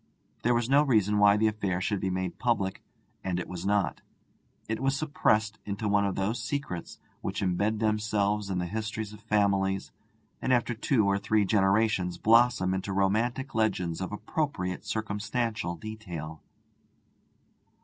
There was no reason why the affair should be made public, and it was not. It was suppressed into one of those secrets which embed themselves in the history of families, and after two or three generations blossom into romantic legends full of appropriate circumstantial detail.